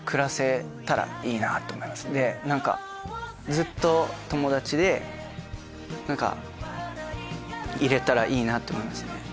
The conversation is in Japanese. ずっと友達でいれたらいいなと思いますね。